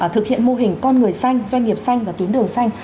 thực hiện mô hình con người xanh doanh nghiệp xanh và tuyến đường xanh